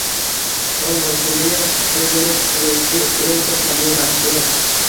Qon bosimini bir zumda tushiruvchio´nta tabiiy mahsulot